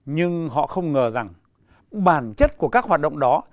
nhưng họ không ngờ rằng bản chất của các hoạt động đó